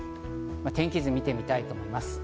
天気図を見てみたいと思います。